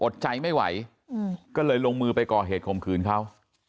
อดใจไม่ไหวก็เลยลงมือไปกอเหตุกรมอบใจเขา